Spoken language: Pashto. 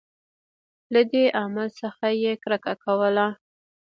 له دې عمل څخه یې کرکه کوله.